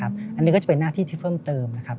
อันนี้ก็จะเป็นหน้าที่ที่เพิ่มเติมนะครับ